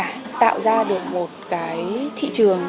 thứ hai là tạo ra được một cái thị trường